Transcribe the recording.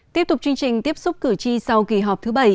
tiếp tục chương trình tiếp xúc cử tri sau kỳ họp thứ bảy